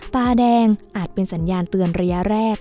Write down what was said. ตาแดงอาจเป็นสัญญาณเตือนระยะแรก